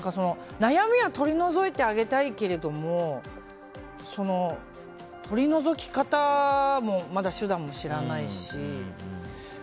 悩みを取り除いてあげたいけれども取り除き方もまだ手段も知らないし。